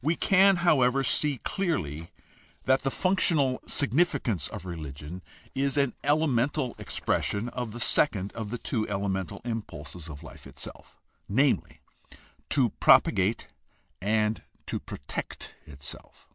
We can, however, see clearly that the functional significance of religion is an elemental expression of the second of the two elemental impulses of life itself, namely, to propagate and to protect itself.